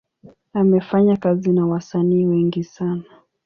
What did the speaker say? Amefanya kazi na wasanii wengi sana.